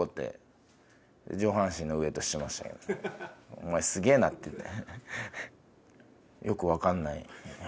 お前すげえなって言って。